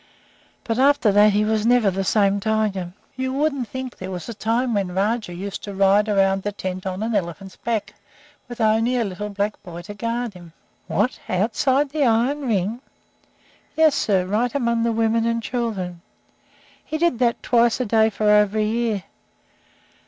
But after that he was never the same tiger. You wouldn't think there was a time when Rajah used to ride around the tent on an elephant's back, with only a little black boy to guard him!" "What, outside the iron ring?" "Yes, sir, right among the women and children. He did that twice a day for over a year.